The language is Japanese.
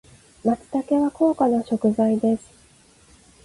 松茸は高価な食材です。